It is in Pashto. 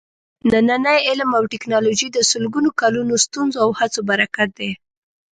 نننی علم او ټېکنالوجي د سلګونو کالونو ستونزو او هڅو برکت دی.